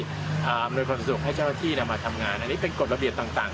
อำนวยความสะดวกให้เจ้าหน้าที่มาทำงานอันนี้เป็นกฎระเบียบต่าง